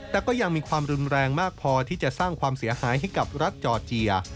แต่ก็ยังมีความรุนแรงมากพอที่จะสร้างความเสียหายให้กับรัฐจอร์เจีย